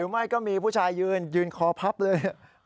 ไม่ก็มีผู้ชายยืนยืนคอพับเลย